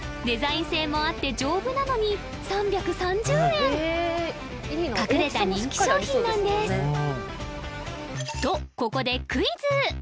デザイン性もあって丈夫なのに３３０円隠れた人気商品なんですとここでクイズ！